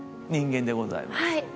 はい。